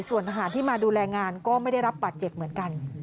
ส่วนทหารที่มาดูแลงานก็ไม่ได้รับบาดเจ็บเหมือนกัน